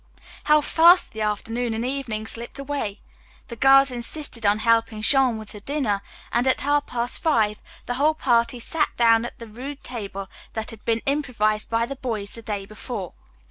How fast the afternoon and evening slipped away! The girls insisted on helping Jean with the dinner, and at half past five the whole party sat down at the rude table that had been improvised by the boys the day before.